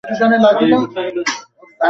আমি এই প্রশ্নটার জন্যই অপেক্ষা করছিলাম।